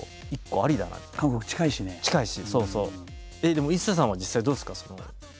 でもＩＳＳＡさんは実際どうですか？